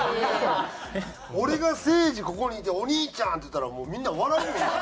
俺がせいじここにいて「お兄ちゃん」って言ったらもうみんな笑うもんな。